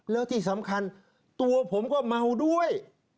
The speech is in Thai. แล้วที่สำคัญตัวผมก็เมาด้วย